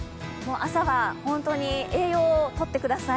朝は本当に栄養をとってください。